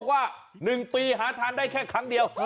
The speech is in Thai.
ว่า๑ปีหาทานได้แค่ครั้งเดียว